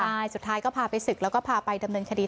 ใช่สุดท้ายก็พาไปศึกแล้วก็พาไปดำเนินคดี